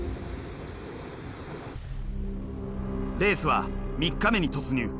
レースは３日目に突入。